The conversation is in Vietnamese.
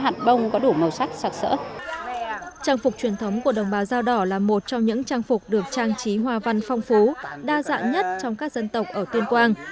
trang phục truyền thống của đồng bào dao đỏ là một trong những trang phục được trang trí hoa văn phong phú đa dạng nhất trong các dân tộc ở tuyên quang